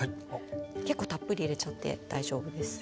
結構たっぷり入れちゃって大丈夫です。